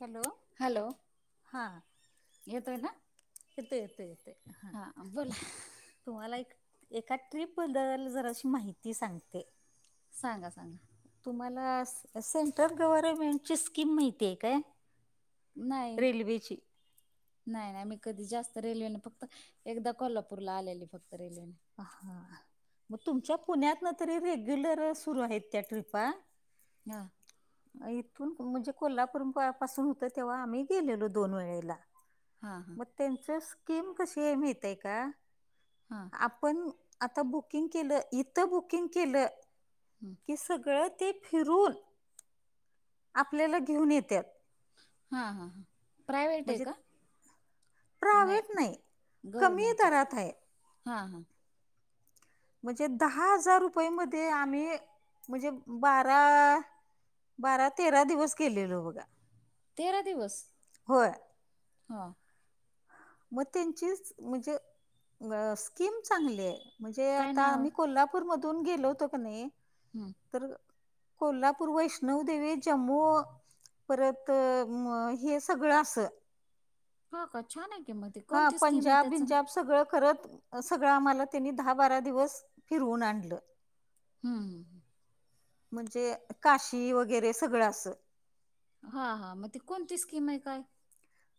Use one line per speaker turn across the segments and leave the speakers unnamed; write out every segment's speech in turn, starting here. Hello
hello
हां
येतोय ना
येतोय येतोय हां
हा बोला!
तुम्हाला एक एका ट्रीप बद्दल जरा अशी माहिती सांगते.
सांगा सांगा!
तुम्हाला सेंट्रल गव्हर्मेंट ची स्कीम माहिती आहे काय?
नाहीय.
रेल्वेची
नाही नाही मी कधी जास्त रेल्वेने फक्त एकदा कोल्हापूरला आलेली फक्त रेल्वेने.
ह हा! मग तुमच्या पुण्यातन तरी रेग्युलर सुरू आहेत त्या ट्रिपा.
हा!
[inaudible] इथून म्हणजे कोल्हापूर पासून होतं तेव्हा आम्ही गेलेलो दोन वेळेला.
हा हा!
त्यांच स्कीम कशी आहे माहीतय का?
हा!
आपण आता बुकिंग केलं, इथं बुकिंग
हं.
की सगळं ते फिरून आपल्याला घेऊन येत्यांत.
हा हा हा! प्रायवहेट हे
म्हणजे
का, का नाही
कमी
गव्हर्मेंटचेच.
दरात आहे
हा हा!
म्हणजे दहा हजार रुपये मदे आम्ही, म्हणजे बारा बारा तेरा दिवस गेलेलो बघा!
तेरा दिवस
होय
हा!
मग त्यांचीच म्हणजे अ स्कीम चांगली आहे, म्हणजे
काय
आता
नाव आहे
आम्ही कोल्हा पूर मधून गेलो होतो क नाही.
हूं!
तर कोल्हापूर वैष्णव देवी जम्मू परत म हे सगळं असं.
हा का छान आहे ते म ते.
हा
कोणती स्कीम आहे
पंजाब
त्याचं हं
बिंजाब सगळं करत अ सगळं आम्हाला त्यांनी दहा बारा दिवस, फिरवून आणलं.
हूं!
म्हणजे काशी वगेरे सगळं असं.
हा हा म ती कोणती स्कीम आहे काय?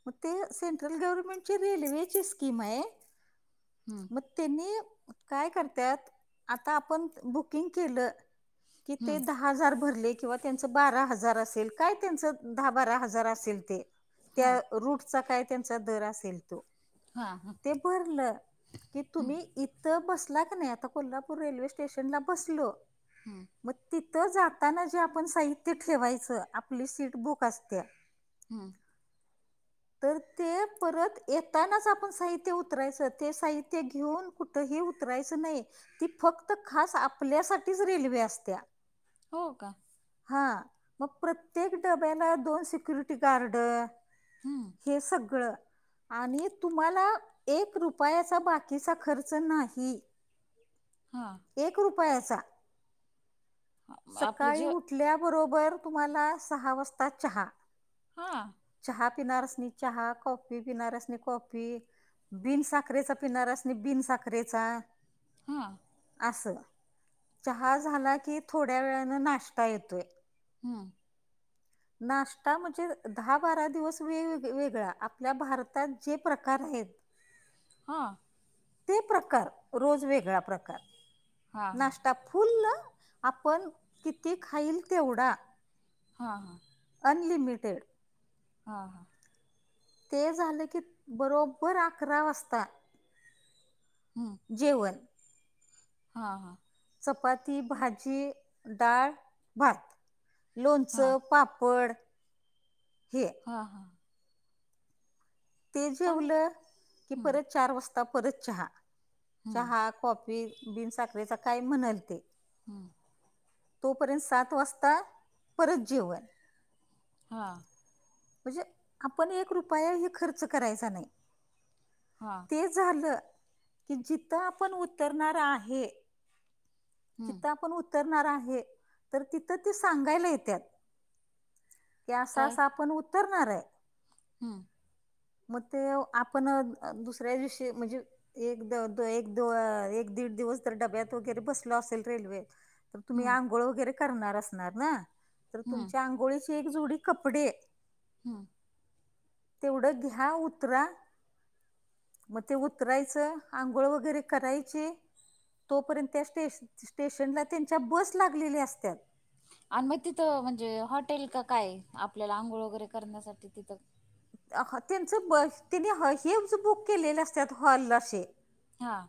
म ते सेंट्रल गव्हर्मेंट ची रेल्वेची स्कीम आहे.
हूं!
म त्यांनी काय करत्यात आता आपण बुकिंग केलं. कि ते
हां
दहा हजार भरले, किंवा त्यांच बारा हजार असेल काय त्यांच दहा बारा हजार असेल ते. त्या रूटचा काय त्यांचा दर असेल तो!
हां
ते भरलं की तुम्ही इ थं बसला का नाई, आता कोल्हापूर रेल्वे स्टेशनला बसलो.
हूं!
म तिथं जाताना जे आपण साहित्य ठेवायचं आपली सीट बुक असतेया.
हूं!
तर ते परत येतानाच आपण साहित्य उतरायचं ते साहित्य घेऊन कुठेही उ [unintelligible]
हो का
हा मग प्रत्येक डब्याला दोन सिक्युरिटी गार्ड-
हम्म
हे सगळं आणि तुम्हाला एक रुपयाचा बाकीचा खर्च नाही. [inaudible]
हां
एक रुपयाचा
आपले
सकाळी
जे
उट्- -टल्याबरोबर तुम्हाला सहा वाजता चहा
हां
चहा पिणारसनी चहा कॉफी पिणारसनी कॉफी. बिन साखरेचा पीणारसनी बीन साखरेचा.
हा.
असं चहा झाला की. थोड्या वेळानं नाश्टा येतोय
हम
नाश्टा म्हजे दहा- बारा दिवस वे वेग् वेगळा आपल्या भारतात जे प्रकार हायत.
हा
ते प्रकार रोज वेगळा प्रकार
हा हा
नाश्टा फुल्लं- आपण किती खाईल तेवढा.
हां हां
अनलिमिटेड
हा हा
ते झालं की बरोबर अकरा वाजता-
हम
जेवण
हां हां
चपाती, भाजी, डाळ, भात.
हा
लोणचं, पापड हे
हां हां
ते
चांगलं
जेवलं की
हम्म
परत चार वाजता परत चहा
हम्म
चहा, कॉफी. बिनसाखरेचा काय म्हणंल ते.
हम्म
तोपर्यंत सात वाजता परत जेवण.
हा
म्हजे आपण एक रुपयाही खर्च करायचा नाई.
हा
ते झालं जिथं आपण उतरणार आहे.
हम्म
जिथं आपण उतरणार आहे तर तिथं त सांगायला येतत. की आस आस आपण उत्तरणार आहे.
हम
मग ते आपण दुसऱ्या दिवशी म्हणजे- [unintelligible] तुम्ही
हम्म
आंघोळ वगैरे करणार असणार ना तर
हम्म
तुमच्या आंघोळीची एक जोडी कपडे.
हां.
तेवढं घ्या उतरा मग ते उतरायचं आंघोळ वगैरे करायचे. तोपर्यंत त्या स्टेश स्टेशनला त्यांच्या बस लागलेली असत्यात.
आणि मग तिथं म्हणजे हॉटेल का काय आपल्याला आंघोळ वगैरे करण्यासाठी तिथं?
अ ख त्यांचं बस त्यांनी हा हे [unintelligible] बुक केलेले असतात हॉल अशे.
हां.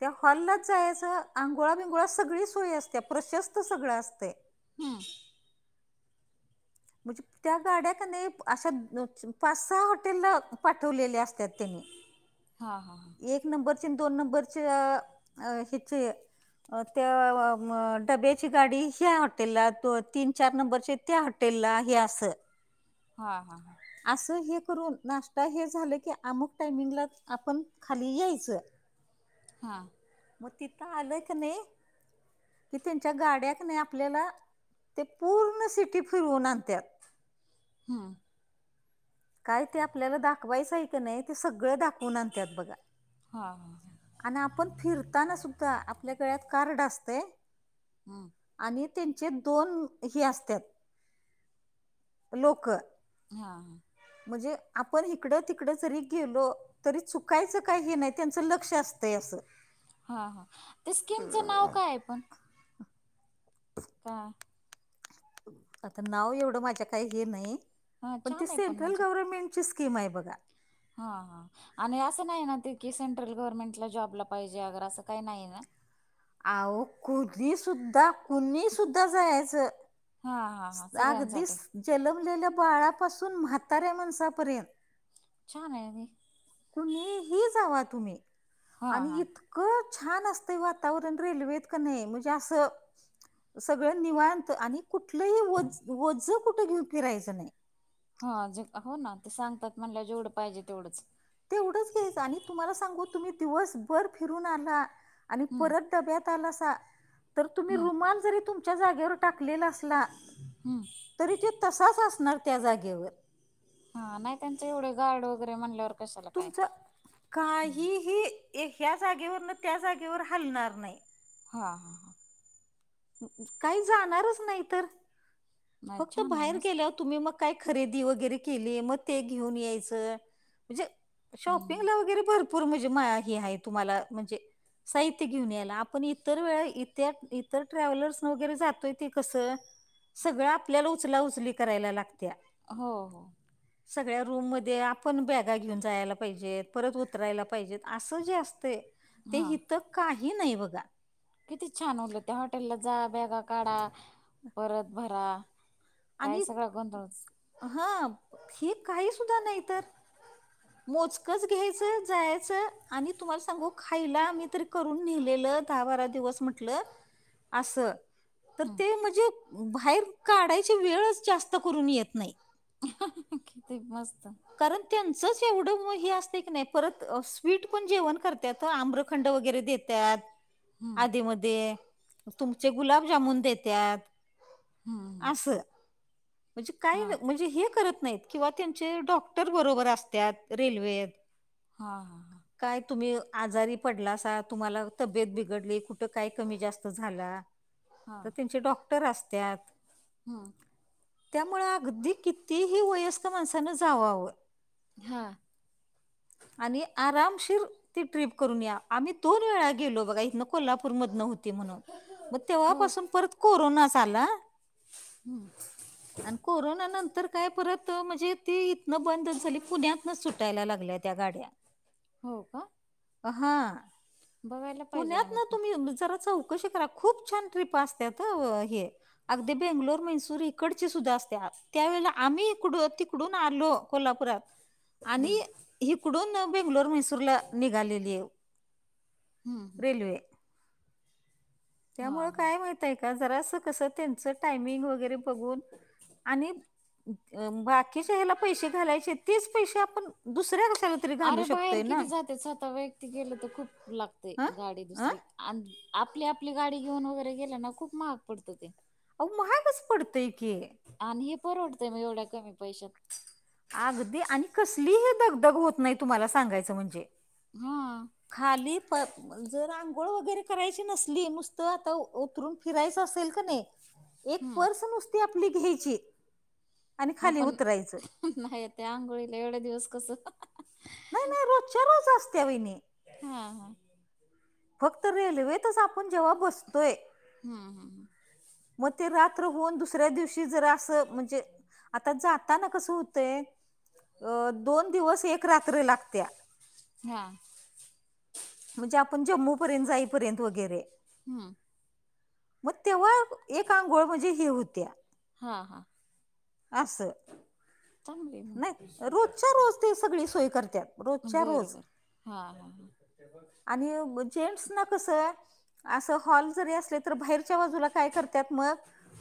त्या हॉलाच आहे स आंघोळा बिंगोळा सगळी सोय असते प्रशस्त सगळं असतय.
हम्म
म्हणजे त्या का नाही अशे [unintelligible] पाच-सहा हॉटेल पाठवलेले अस त्यात
हा हा
त्यानी एक नंबरचे अन दोन नंबरचे अ अ हेचे अ त्याव व म डब्याची गाडी ह्या हॉटेलला तो तीन-चार नंबरचे त्या हॉ टेलला हे असं.
हा हा हा.
असं हे करून नाश्ता हे झालं की अमुक टायमिंगलाच आपण खाली यायचं. अ
हां.
म तिथ आलं क नाही कि त्यांच्या गाड्या क नाही आपल्याला ते पूर्ण सिटी फिरवून आणत्यात.
हम्म.
काय ते आपल्याला दाखवायचं आहे क नाही ते सगळं दाखवून आणत्यात बघा.
हा हा हा
आणि आपण फिरताना सुद्धा आपल्या गळ्यात कार्ड असते
हां.
आणि त्यांचे दोन हे असत्यात लोकं.
हा हा.
म्हणजे आपण इकडं तिकडें जरी गेलो तरी चुकायचं काय हे नाही त्यांच लक्ष असतय असं हम्म.
ओ काय पण. का
आता नाव एवढं माझ्या काही हे नाही
हा
पण ती
छान आहे
सेंट्रल
म्हणजे
गवर्नमेंटची स्कीम आहे बघा.
हा हा. आणि असं नाही ना ते की सेंट्रल गव्हर्नमेंटला जॉबला पाहिजे अगर असं काही नाही ना?
अहो कोधी सुद्धा कुनी सुुद्धा जायचं.
हा हा
स
हा सगळ्यांसाठी
अगदीच जनमलेल्या बाळापासून म्हाताऱ्या माणसापर्यंत
छान आहे आणि.
कुणीही जावा तुम्ही
हा
आणि
हा
इत कं छान असतं वातावरण रेल्वेत का नाही म्हणजे असं सगळं निवांत आणि कुठलंही वज वज कुठे घेऊन फिरायचं नाही.
हा जे हो ना ते सांगतात म्हणला जेवढं पाहिजे तेवढंच.
तेवढंच घ्यायचं आणि तुम्हाला सांगू तुम्ही दिवसभर फिरून आला आणि
हम्म
परत टब्यात आलासा. तर तुम्ही
हम्म
रुमाल जरी तुमच्या जागेवर टाकलेला असला
हम्म
तरी त्यो तसाच असणार त्या जागेवर.
हा नाही त्यांच एवढे गार्ड वगैरे म्हणल्यावर कशाला काय
तुमच
हम्म
काहीही ह्या जागेवरन त्या जागेवर हलणार नाही.
हा हा ह.
काही जाणारच नाही तर,
नाही
फक्त
छान आहे
बाहेर
मस्त
गेल्यावर तुम्ही मग काय खरेदी वगैरे केली मग ते घेऊन यायचं. म्हणजे
हम्म
शॉपिंगला वगैरे भर पूर म्हणजे माया ही आहे तुम्हाला, म्हणजे साहित्य घेऊन यायला आपण इतर वेळा इत्या ई तर ट्रॅव्हलर्स न वगैरे जातोय ते कसं सगळं आपल्याला उचला उचली करायला लागत्या.
हो हो.
सगळ्या रूम मधे आपण बॅगा घेऊन जायला पाहिजेत, परत उतरायला पाहिजेत. असं जे असतय, ते
हा
इथ काही नाही बघा.
किती छान उलट! त्या हॉटेलला जा, बॅगा काढा, परत भरा. काय
आणि
सगळा गोधळच.
हा, हे काही सुद्धा नाही तर. मोजकच घ्यायचं, जायाचं आणि तुम्हाला सांगू खायला आम्ही मी तरी करून नेलेलं दहा बारा दिवस म्हंटल अस. तर
हम्म.
ते म्हणजे बाहेर काढायची वेळच जास्त करून येत नाही.
किती मस्त!
कारण त्यांचच एवढं म हे असतय की नाही, परत स्वीट पण जेवण करत्यात आम्र खंड वगैरे देत्यात.
हम्म.
आधी मध्ये, तुमचे गुलाबजामुन देत्यात.
हम्म.
अस, म्हणजे काय?
हा.
म्हणजे हे करत नाहीत. किंवा त्यांचे डॉक्टर बरोबर असत्यात रेल्वेत.
हा हा हां.
काय तुम्ही आजारी पडलासा, तुम्हाला तब्येत बिघडली, कुठं काय कमी जास्त झाला
हा.
तर त्यांचे डॉक्टर असत्यात.
हम्म.
त्यामुळ अगदी कितीही वयस्कर माणसान जाव आवं.
हा.
आणि आरामशीर ती ट्रीप करून या. आम्ही दोन वेळा गेलो बघा, इथनं कोल्हापूर मधन होत ती म्हणून, मग तेव्हापासून परत कोरोनाच आला
हम्म.
[inaudible] आणि कोरोना नंतर काय परत, म्हणजे ती इथनं बंदच झाली. पुण्यातन सुटायला लागल्यात त्या गाड्या.
हो का?
हा,
बघायला पाहिजे
पुण्यात
आम्ही
ना
पण.
तुम्ही जरा चौ कशी करा, खूप छान ट्रीप‍‌ असत्यात ह हे, अगदी बेंगलोर मैसूर ई इकडचे सुद्धा असते हा, त्या वेळेला आम्ही इकड तिकडून आलो कोल्हापूरात आणि हिकडून बेंगलोर, म्हैसूरला निघालेली आहे
हम्म. हम्म.
रेल्वे.
हा.
त्यामुंळ
हा.
काय माहित आहे का? जरा असं कसं त्यांचं टायमिंग वगैरे बघून आणि अ बाकीच्या ह्याला पैसे घालायचे, तेच पैसे आपण दुसऱ्या कशाला तरी घालू
अरे बाहेर
शकतोय ना
किती जाते, स्वतः व्यक्ती गेलं तर खूप लागते
हं
गाडी
हं
दुसरी. आन आपली आपली गाडी घेऊन वगैरे गेल ना खूप महाग पडत ते.
अहो महागच पडतय की.
आणि हे परवडतंय म एवढ्या कमी पैशात.
आगदी आणि कसलीही दगदग होत नाही, तुम्हांला सांगायचं म्हणजे.
हा..
खाली प जर आंघोळ वगैरे करायची नसली, नुसतं आता उतरून फिरायचं असेल क नाही एक
हम्म.
पर्स नुसती आपली घ्यायची, आणि
हा
खाली
पण
उतरायचं
नाही त्या आंघोळीला एवढे दिवस कसं
नाही, नाही रोजच्या रोज असत्या वहिनी.
हा, हा.
फक्त रेल्वेतच आपण जेव्हा बसतोय,
ह, ह.
मग ते रात्रहून दुसऱ्या दिवशी जरा असं म्हणजे आता जात ताना कस हुतंय अ दोन दिवस एक रात्र लागत्या,
हा.
म्हणजे आपण जम्मूपर्यंत जाईपर्यंत वगैरे.
हं..
मग तेव्हा एक अंघोळ म्हणजे हे हुत्या.
हा, हां.
आसं..
चांगलीय मग
रोजच्या रोज ते सगळी सोय करतात रोजच्या
बर-
रोज
बर. हा, हा, हा.
जेंन्ट्स ना कसं असं हॉल जरी असले, तर बाहेरच्या बाजूला काय करत्यात मग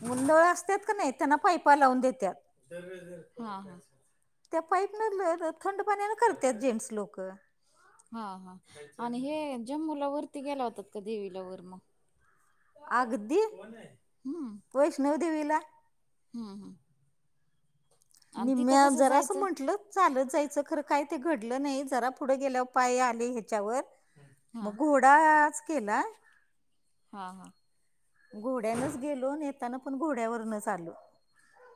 मु नळ असत्यात का नाही, त्यांना पाईपा लावून देत्यात.
[unintelligible] हा, हा.
त्या पाईपनं थंड पाण्यानं करत्यात जेंट्स लोकं.
हा, हा, आणि हे जम्मूला वरती गेला होतात का देवीला वर मग?
अगदी वैष्णवी देवीला.
हं, हं.
निम्म्या
कसं
जरासं
जायचं
म्हंटल चालत जायचं खरं काय ते घडलं नाही, जरा पुढं गेल्यावर पाय आले ह्याच्यावर
हा
मग घोडाआच केला.
हां, हां.
घोड्यानच गेलो अन् येताना पण घोड्यावरनच आलो.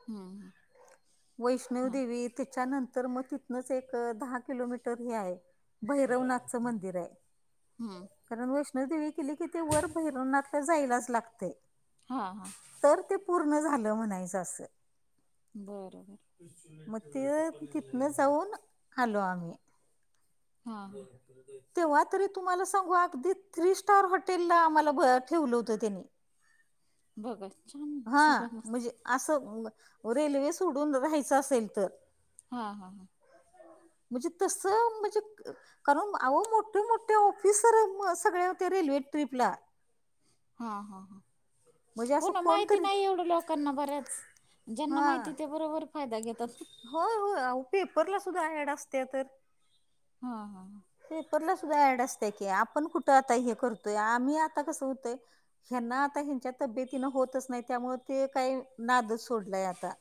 हूं..
वैष्णव देवी त्याच्यानंतर मग तिथनच एक दहा किलोमीटर हे आहे, भैरवनाथचं मंदिर आहे.
हम्म
कारण वैष्णोदेवी केली की ते, वर भैरवनाथला जायलाच लागतंय.
हां, हां.
तर ते पूर्ण झालं म्हणायचं असं.
बरं-बरं.
हालो आम्हीं.
हा
तेव्हा तरी तुम्हांला सांगू अगदी थ्री स्टार हॉटेल ला आम्हांला ठेवलं होतं त्यांनी.
बघा छान
हा
सगळं मस्त
म्हणजे असं रेल्वे सोडून राहायचं असेल तर,
हा, हा, हा.
म्हजे तस म्हजे कारण आव मोठे- मोठे ऑफिसर म सगळे होते रेल्वे ट्रीपला.
हा हा हा.
म्हणजे
हो
असं
ना, माहिती
कोणतरी
नाय एवढं लोकांना बरंच ज्यांना
हा
माहिती ते बरोबर फायदा घेतात.
होय होय, आवो पेपरला सुद्धा ऍड असत्या तर.
हा हा हा.
पेपरला सुद्धा ऍड असत्या की आपण कुठं आता हे करतोय आम्ही आता कसं हुतय ह्यांना आता ह्यांच्या तब्येतीन होतच नाय, त्यामुळे ते काय नादच सोडलंय आता.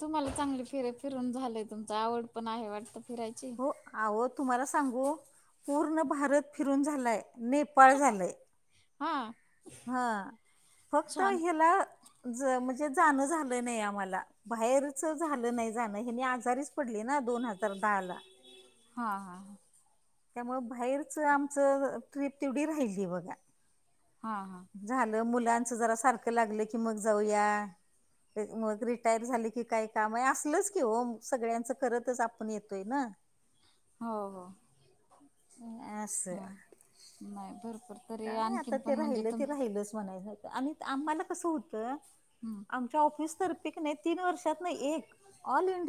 तुम्हाला चांगली फिरे- फिरून झालंय तुमच, आवड पण आहे वाटतं फिराय
हो, आवो तुम्हाला सांगू पूर्ण भारत फिरून झालाय, नेपाळ झालंय.
हा.
हा, फक्त
छान
हेला ज म्हजे जाणं झालं नाही आम्हाला. बाहेरच झालं नाय जाणं, हेनी आजारीच पडले ना दोन हजार दहाला.
हा हा हा.
त्यामुळ बाहेरच आमचं ट्रीप तेवढी राहिली बघा.
हा हा.
झाल, मुलांच जरा सारख लागलं की मग जाऊया. मग रिटायर झाल की काय काम हाय, असलच की हो सगळ्यांचं करतच आपण येतोय ना.
हो हो.
असं.
नाय भरपुर तरी आणखीन पण म्हणजे तुमच
हो नाय नाय का? आणि आम्हाला कसं हुत?
हम्म.
आमच्या ऑफिस तर्फे कनाय तीन वर्षातन एक ऑल इंडिया